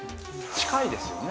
近いですよね。